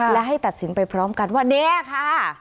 และให้ตัดสินไปพร้อมกันว่าเนี่ยค่ะ